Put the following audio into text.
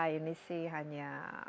ini sih hanya